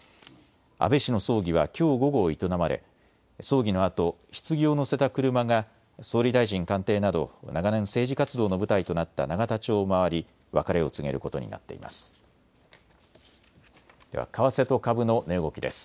安倍氏の葬儀はきょう午後営まれ、葬儀のあとひつぎを乗せた車が総理大臣官邸など長年、政治活動の舞台となった永田町を回り別れを告げることになっています。